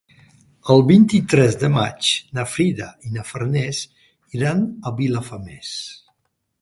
El vint-i-tres de maig na Frida i na Farners iran a Vilafamés.